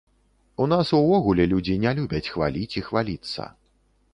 У нас увогуле людзі не любяць хваліць і хваліцца.